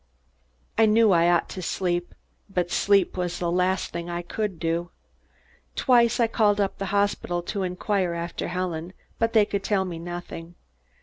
I knew I ought to sleep, but sleep was the last thing I could do. Twice I called up the hospital to inquire after Helen, but they could tell me nothing.